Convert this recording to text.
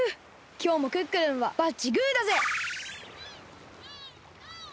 きょうもクックルンはバッチグーだぜ！